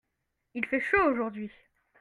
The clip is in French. Il fait chaud aujourd'hui.